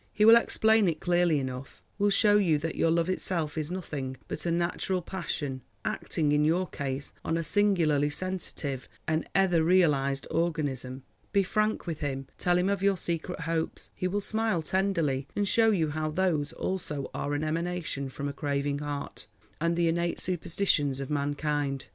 He will explain it clearly enough, will show you that your love itself is nothing but a natural passion, acting, in your case, on a singularly sensitive and etherealised organism. Be frank with him, tell him of your secret hopes. He will smile tenderly, and show you how those also are an emanation from a craving heart, and the innate superstitions of mankind.